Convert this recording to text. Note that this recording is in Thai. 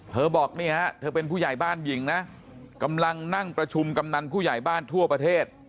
บอกนี่ฮะเธอเป็นผู้ใหญ่บ้านหญิงนะกำลังนั่งประชุมกำนันผู้ใหญ่บ้านทั่วประเทศ